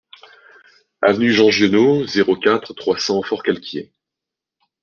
Avenue Jean Giono, zéro quatre, trois cents Forcalquier